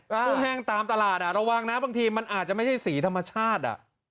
กุ้งแห้งตามตลาดระวังนะบางทีมันอาจจะไม่ใช่สีธรรมชาติ